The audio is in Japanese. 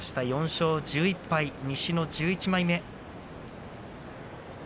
４勝１１敗、西の１１枚目。